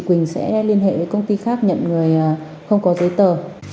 quỳnh sẽ liên hệ với công ty khác nhận người không có giấy tờ